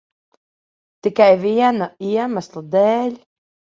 Tikai viena iemesla dēļ.